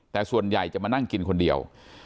แต่ส่วนใหญ่จะมานั่งกินคนเดียว